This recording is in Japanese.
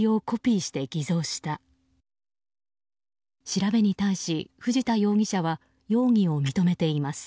調べに対し、藤田容疑者は容疑を認めています。